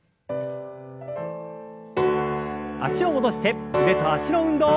脚を戻して腕と脚の運動。